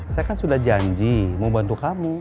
saya kan sudah janji mau bantu kamu